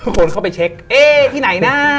คนเข้าไปเช็คเอ๊ที่ไหนนะ